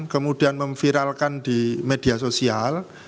kemudian memviralkan di media sosial